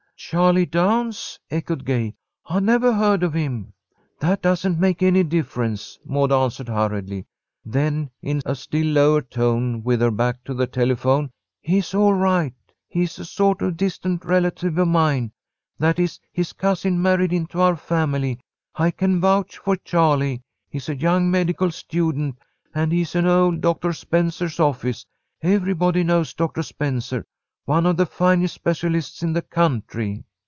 "Charlie Downs," echoed Gay. "I never heard of him." "That doesn't make any difference," Maud answered, hurriedly. Then, in a still lower tone, with her back to the telephone: "He's all right. He's a sort of a distant relative of mine, that is, his cousin married into our family. I can vouch for Charlie. He's a young medical student, and he's in old Doctor Spencer's office. Everybody knows Doctor Spencer, one of the finest specialists in the country."